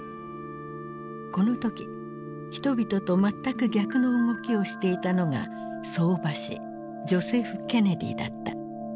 この時人々と全く逆の動きをしていたのが相場師ジョセフ・ケネディだった。